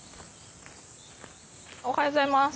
おはようございます。